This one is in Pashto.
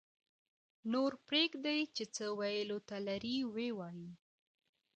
-نور پرېږدئ چې څه ویلو ته لري ویې وایي